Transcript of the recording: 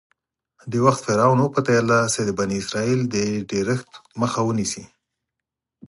د وخت فرعون وپتېیله چې د بني اسرایلو د ډېرښت مخه ونیسي.